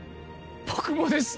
僕もです